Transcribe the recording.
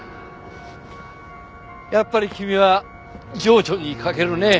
やっぱり君は情緒に欠けるね。